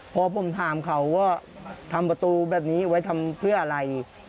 พอผมถามเขาว่าทำประตูแบบนี้ไว้ทำเพื่ออะไร